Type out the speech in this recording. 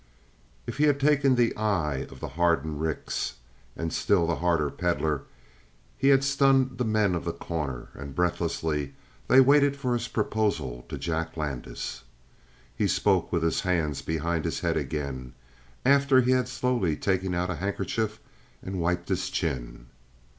23 If he had taken the eye of the hardened Rix and the still harder Pedlar, he had stunned the men of The Corner. And breathlessly they waited for his proposal to Jack Landis. He spoke with his hands behind his head again, after he had slowly taken out a handkerchief and wiped his chin.